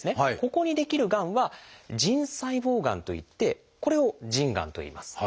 ここに出来るがんは「腎細胞がん」といってこれを「腎がん」といいます。